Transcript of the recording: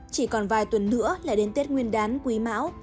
chỉ còn vài tuần nữa là đến tết nguyên đán quý mão